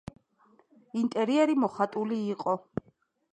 ინტერიერი მოხატული იყო.